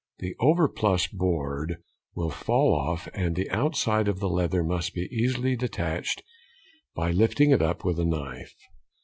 The overplus board will fall off and the outside of the leather may be easily detached by lifting it up with a knife.